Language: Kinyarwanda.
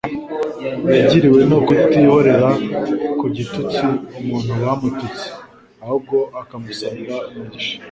yagiriwe no kutihorera ku gitutsi umuntu bamututse," ahubwo akamusabira umugisha.